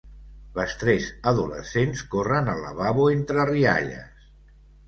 Les tres adolescents corren al lavabo entre rialles.